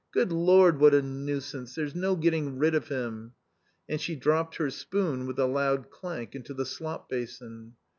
Good Lord, what a nuisance, there's no getting rid of him!" A nd she drop ped her spoon with a loud clank into the slop 5asin.